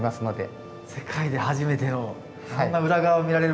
世界で初めてのそんな裏側を見られるわけですね。